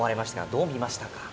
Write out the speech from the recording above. どう見ましたか？